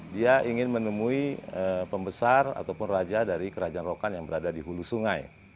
dia ingin menemui pembesar ataupun raja dari kerajaan rokan yang berada di hulu sungai